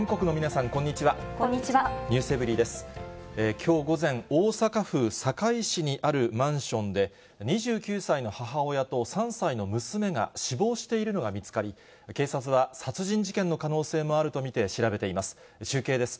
きょう午前、大阪府堺市にあるマンションで、２９歳の母親と３歳の娘が死亡しているのが見つかり、警察は殺人事件の可能性もあると見て、調べています。